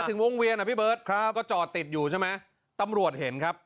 ถึงวงเวียนอ่ะพี่เบิร์ตครับก็จอดติดอยู่ใช่ไหมตำรวจเห็นครับ